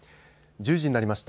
１０時になりました。